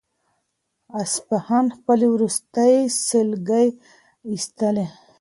اصفهان خپلې وروستۍ سلګۍ ایستلې.